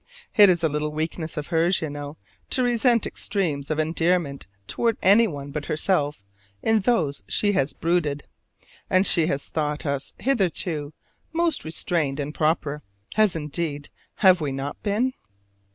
(It is a little weakness of hers, you know, to resent extremes of endearment towards anyone but herself in those she has "brooded," and she has thought us hitherto most restrained and proper as, indeed, have we not been?)